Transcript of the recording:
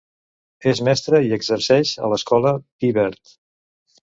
És mestre i exerceix a l'escola Pi Verd.